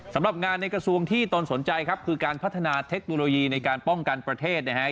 สำหรับงานในกระทรวงที่ตนสนใจครับคือการพัฒนาเทคโนโลยีในการป้องกันประเทศนะฮะ